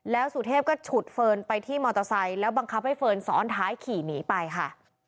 แล้วสุเทพก็ฉุดเฟิร์นไปที่มอเตอร์ไซค์แล้วบังคับให้เฟิร์นซ้อนท้ายขี่หนีไปค่ะ